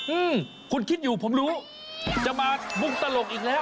อืมคุณคิดอยู่ผมรู้จะมามุกตลกอีกแล้ว